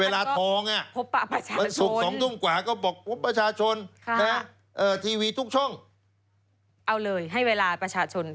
แล้วก็ท่านก็พบประชาชนค่ะทีวีทุกช่องเอาเลยให้เวลาประชาชน